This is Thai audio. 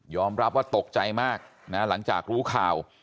รับว่าตกใจมากนะหลังจากรู้ข่าว